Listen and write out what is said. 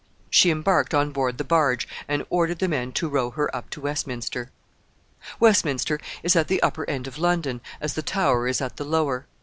She embarked on board the barge, and ordered the men to row her up to Westminster. Westminster is at the upper end of London, as the Tower is at the lower.